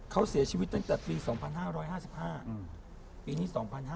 เขาเสียชีวิตตั้งแต่ปี๒๕๕๕ปีนี้๒๕๕๙